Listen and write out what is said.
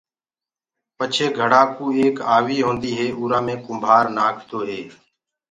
پچهي گھڙآ ڪو ايڪ آوي هوندي هي اُرآ مي ڪُمڀآر نآکدو هي۔